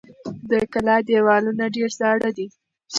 د کلا دېوالونه ډېر زاړه دي.